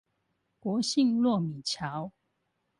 國姓糯米橋